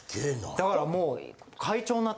だからもう。